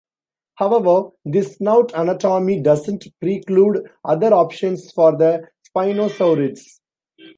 However, this snout anatomy doesn't preclude other options for the spinosaurids.